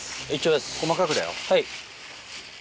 はい。